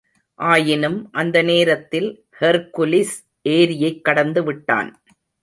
ஆயினும், அந்த நேரத்தில், ஹெர்குலிஸ் ஏரியைக் கடந்து விட்டான்.